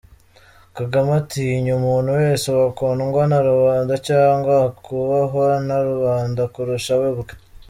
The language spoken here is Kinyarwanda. Kagame atinya umuntu wese wakundwa na rubanda cyangwa wakubahwa na rubanda kurusha we ubwe.